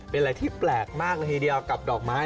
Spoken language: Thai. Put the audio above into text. เป็นอะไรที่แปลกมากเลยทีเดียวกับดอกไม้